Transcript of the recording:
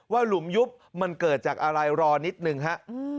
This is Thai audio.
หลุมยุบมันเกิดจากอะไรรอนิดหนึ่งฮะ